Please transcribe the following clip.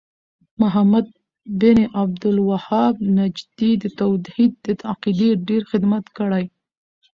محمد بن عبد الوهاب نجدي د توحيد د عقيدې ډير خدمت کړی